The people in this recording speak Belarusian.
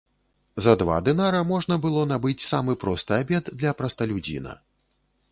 За два дынара можна было набыць самы просты абед для прасталюдзіна.